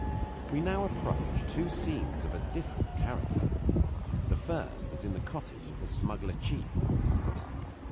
We now approach two scenes of a different character. The first is in the cottage of the smuggler chief.